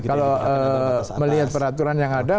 kalau melihat peraturan yang ada